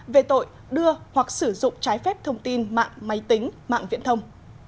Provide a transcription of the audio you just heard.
về tội đưa hoặc sử dụng trái phép thông tin mạng máy tính mạng viễn thông